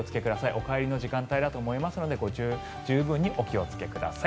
お帰りの時間帯だと思いますので十分にお気をつけください。